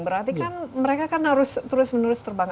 berarti kan mereka kan harus terus menerus terbang